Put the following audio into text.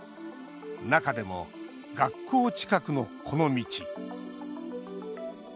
中でも学校近くの、この道。